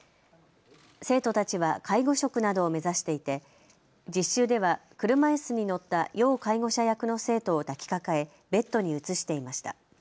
生徒たちは介護職などを目指していて実習では車いすに乗った要介護者役の生徒を抱きかかえベッドに移していました。